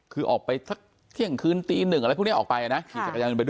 คือออกไปสักเที่ยงคืนตี๑อะไรพรุ่งนี้ออกไปนะ